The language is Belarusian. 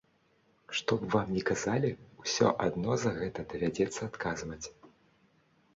Што б вам ні казалі, усё адно за гэта давядзецца адказваць.